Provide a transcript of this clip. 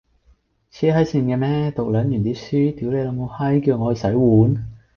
癡閪線嘅咩，讀撚完啲書，屌你老母閪，叫我去洗碗